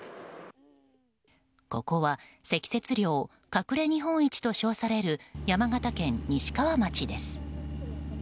ここは積雪量隠れ日本一と称される、山形県西川町です。